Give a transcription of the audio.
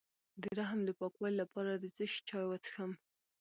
د رحم د پاکوالي لپاره د څه شي چای وڅښم؟